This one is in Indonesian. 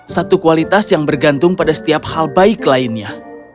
satu kualitas yang bergantung pada setiap hal baik lainnya